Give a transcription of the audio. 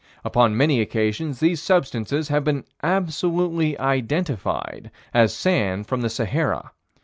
Upon many occasions, these substances have been "absolutely identified" as sand from the Sahara.